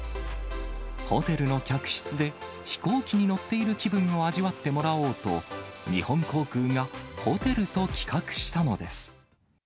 ホテルの客室で、飛行機に乗っている気分を味わってもらおうと、日本航空がホテルと企画したのです。